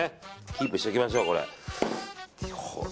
キープしておきましょう。